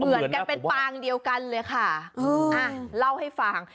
เหมือนกันเป็นปางเดียวกันเลยค่ะอ่ะเล่าให้ฟัง